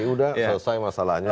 sudah selesai masalahnya